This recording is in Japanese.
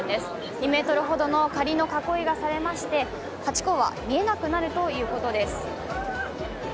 ２ｍほどの仮の囲いがされましてハチ公は見えなくなるということです。